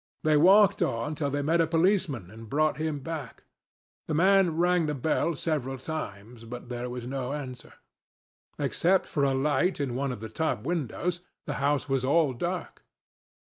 They walked on till they met a policeman and brought him back. The man rang the bell several times, but there was no answer. Except for a light in one of the top windows, the house was all dark.